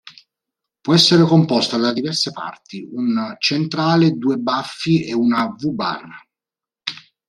Può essere composta da diverse parti: un centrale, due baffi e una V-bar.